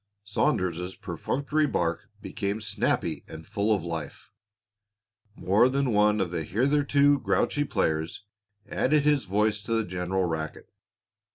Saunders's perfunctory bark became snappy and full of life; more than one of the hitherto grouchy players added his voice to the general racket.